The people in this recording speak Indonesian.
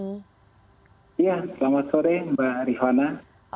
iya selamat sore mbak rihwana